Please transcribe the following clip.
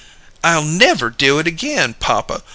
I'll never do it again, Pah puh!